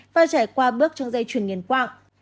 và trải qua bước trong dây chuyển nghiền quạng